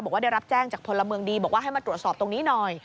บอกว่าได้รับแจ้งจากพลเมืองดีบอกว่าให้มาตรวจสอบตรงนี้หน่อย